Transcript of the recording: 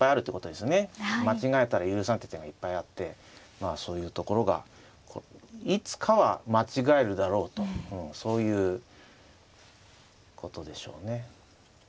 間違えたら許さんって手がいっぱいあってまあそういうところがいつかは間違えるだろうとそういうことでしょうね。